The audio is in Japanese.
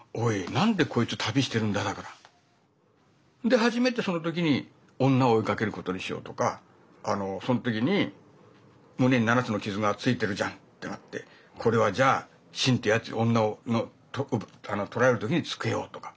で初めてその時に女を追いかけることにしようとかその時に胸に７つの傷がついてるじゃんってなってこれはじゃあシンってやつに女を取られる時につけようとか。